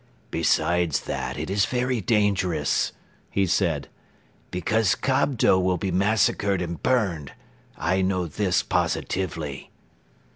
"Besides that, it is very dangerous," he said, "because Kobdo will be massacred and burned. I know this positively."